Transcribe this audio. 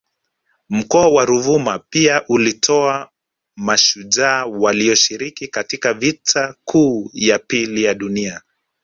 Mkoa wa Ruvuma pia ulitoa mashujaa walioshiriki katika Vita kuu ya pili ya Dunia